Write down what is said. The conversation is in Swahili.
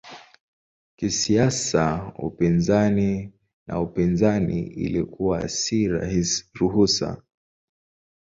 Kisiasa upinzani na upinzani ilikuwa si ruhusa.